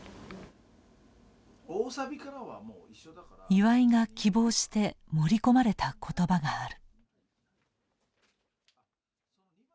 岩井が希望して盛り込まれた言葉がある。